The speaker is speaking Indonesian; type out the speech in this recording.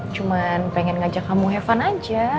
cuman pengen ngajak kamu have fun aja